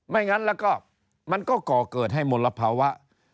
งั้นแล้วก็มันก็ก่อเกิดให้มลภาวะ